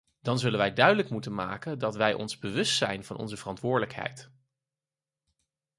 Dan zullen wij duidelijk moeten maken dat wij ons bewust zijn van onze verantwoordelijkheid.